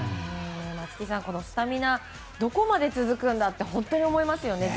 松木さん、このスタミナどこまで続くんだろうと本当に思いますよね。